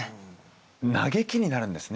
「なげき」になるんですね。